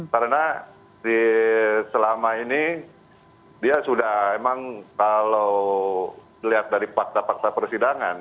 karena selama ini dia sudah memang kalau dilihat dari fakta fakta persidangan